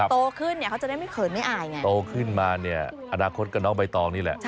โตขึ้นเนี่ยเขาจะได้ไม่เขินไม่อายไงโตขึ้นมาเนี่ยอนาคตก็น้องใบตองนี่แหละ